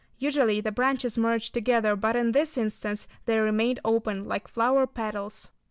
Usually the branches merge together but in this instance they remained open like flower petals.